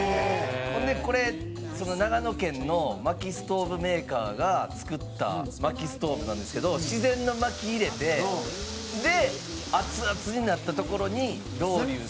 「ほんでこれその長野県の薪ストーブメーカーが作った薪ストーブなんですけど自然の薪入れてでアツアツになったところにロウリュすると」